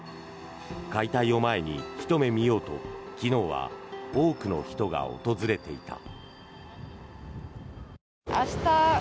解体を前に、ひと目見ようと昨日は多くの人が訪れていた。